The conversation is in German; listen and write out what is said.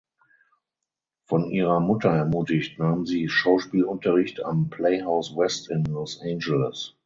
Von ihrer Mutter ermutigt nahm sie Schauspielunterricht am Playhouse West in Los Angeles.